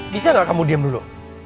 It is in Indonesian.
bisa gak kamu diem dulu